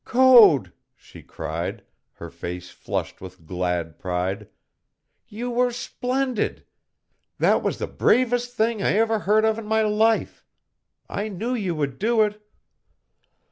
"Code," she cried, her face flushed with glad pride, "you were splendid! That was the bravest thing I ever heard of in my life. I knew you would do it!"